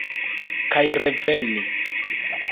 Kaj reveni.